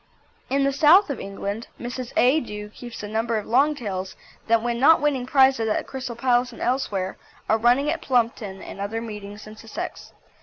In the South of England Mrs. A. Dewe keeps a number of longtails that when not winning prizes at the Crystal Palace and elsewhere are running at Plumpton and other meetings in Sussex.